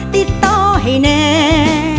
ติดต่อให้แน่